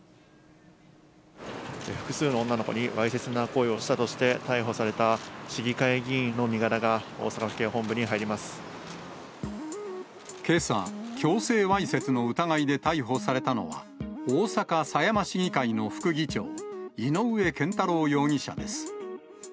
複数の女の子にわいせつな行為をしたとして逮捕された市議会議員の身柄が大阪府警本部に入りけさ、強制わいせつの疑いで逮捕されたのは、大阪狭山市議会の副議長、井上健太郎容疑者です。